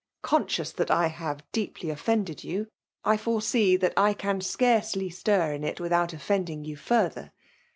Conscious that I have deeply oft leiidod you, I foresee that I can scarcely slur in it: without offending you further.